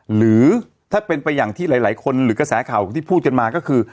หรือถ้าเป็นไปอย่างที่หลายคนหรือกระแสข่าวที่พูดกันมาก็คือ